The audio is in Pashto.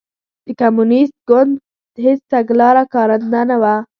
د کمونېست ګوند هېڅ تګلاره کارنده نه وه.